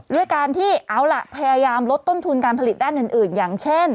ด้วยการที่เอาล่ะพยายามลดต้นทุนการผลิตด้านอื่นอย่างเช่น